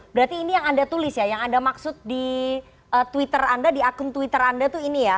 berarti ini yang anda tulis ya yang anda maksud di twitter anda di akun twitter anda tuh ini ya